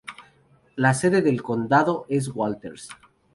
La sede del condado es Walters.